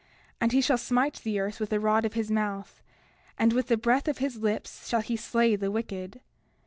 And he shall smite the earth with the rod of his mouth; and with the breath of his lips shall he slay the wicked.